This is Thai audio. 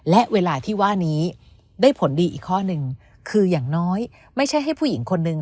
และเวลาที่ว่านี้ได้ผลดีอีกข้อหนึ่งคืออย่างน้อยไม่ใช่ให้ผู้หญิงคนนึง